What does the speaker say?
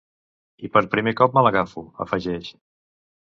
I per primer cop me l’agafo, afegeix.